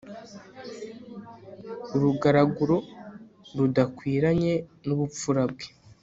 urugaraguro rudakwiranye n'ubupfura bwe